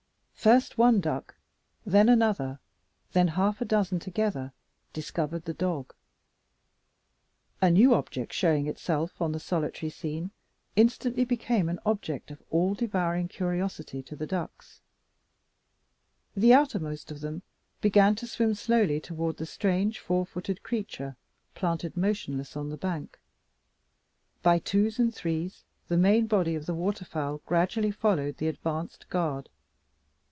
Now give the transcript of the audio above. First one duck, then another, then half a dozen together, discovered the dog. A new object showing itself on the solitary scene instantly became an object of all devouring curiosity to the ducks. The outermost of them began to swim slowly toward the strange four footed creature, planted motionless on the bank. By twos and threes, the main body of the waterfowl gradually followed the advanced guard.